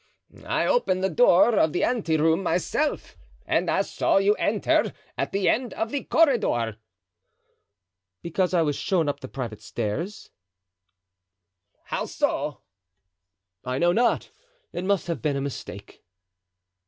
"I opened the door of the ante room myself and I saw you enter at the end of the corridor." "Because I was shown up the private stairs." "How so?" "I know not; it must have been a mistake."